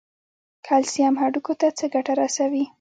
کلسیم هډوکو ته څه ګټه رسوي؟